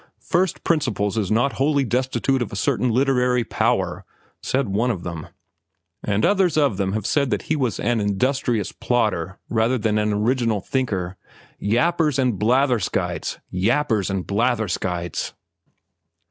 '"First Principles" is not wholly destitute of a certain literary power,' said one of them. And others of them have said that he was an industrious plodder rather than an original thinker. Yappers and blatherskites! Yappers and blatherskites!"